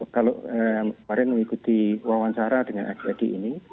kalau kemarin mengikuti wawancara dengan adik adik ini